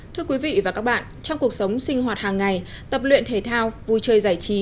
thưa quý vị và các bạn trong cuộc sống sinh hoạt hàng ngày tập luyện thể thao vui chơi giải trí